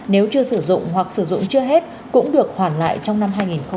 nếu chưa sử dụng hoặc sử dụng chưa hết cũng được hoàn lại trong năm hai nghìn hai mươi